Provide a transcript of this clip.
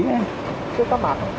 chưa có mệt